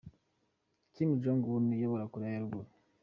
Kim Jong Un uyobora Koreya ya ruguru.